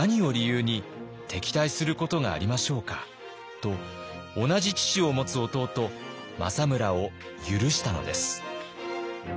と同じ父を持つ弟政村を許したのです。